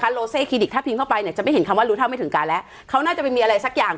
คอลโลเซคลินิคถ้าทิ้งเคลื่อนไว้แล้วจะไม่เห็นนี่คำว่ารู้เท่าไม่ถึงกันแล้วเขาน่าจะมีอะไรสักอย่าง